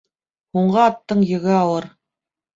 Һуңғы аттың йөгө ауыр.